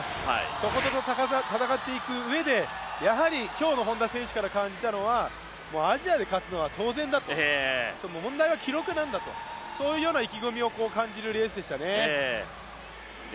そこと戦っていくうえで今日の本多選手から感じたのはアジアで勝つのは当然だと、問題は記録なんだと、そういうような意気込みを感じるレースでしたね。